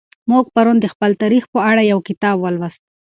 موږ پرون د خپل تاریخ په اړه یو کتاب ولوست.